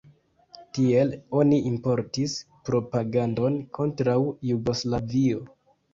Tiel oni importis propagandon kontraŭ Jugoslavio.